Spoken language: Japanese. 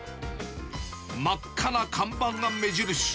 真っ赤な看板が目印。